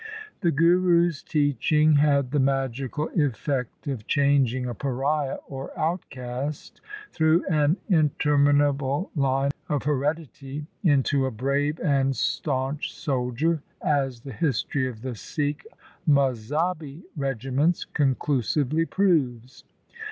The Guru's teaching had the magical effect of changing a pariah or outcast through an intermin able line of heredity into a brave and staunch soldier, as the history of the Sikh Mazhabi regiments con clusively proves.